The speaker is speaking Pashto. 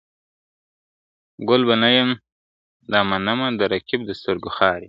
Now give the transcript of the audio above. ګل به نه یم دا منمه، د رقیب د سترګو خاریم ..